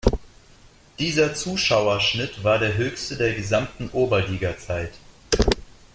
Dieser Zuschauerschnitt war der höchste der gesamten Oberliga-Zeit.